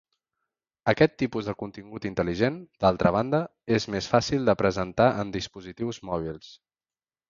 Aquest tipus de contingut intel·ligent, d'altra banda, és més fàcil de presentar en dispositius mòbils.